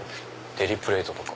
デリプレートとか。